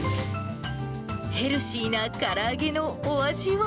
ヘルシーなから揚げのお味は？